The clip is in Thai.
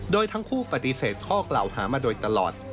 โดยทั้งคู่ปฏิเสธข้อกล่าวหามาโดยตลอด